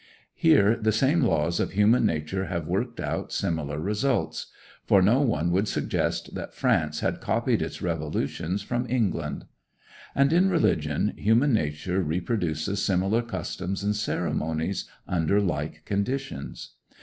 Here the same laws of human nature have worked out similar results; for no one would suggest that France had copied its revolutions from England. And, in religion, human nature reproduces similar customs and ceremonies under like conditions.